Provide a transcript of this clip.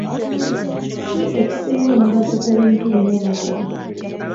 Ki ekisinga omugaso ku bintu bino byombi?